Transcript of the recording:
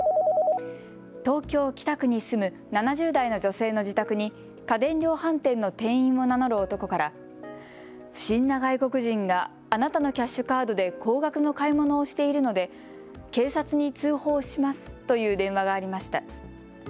東京・北区に住む７０代の女性の自宅に家電量販店の店員を名乗る男から不審な外国人があなたのキャッシュカードで高額の買い物をしているので警察に通報しますという電話がありました。